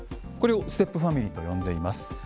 これをステップファミリーと呼んでいます。